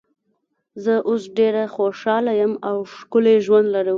زه اوس ډېره خوشاله یم او ښکلی ژوند لرو.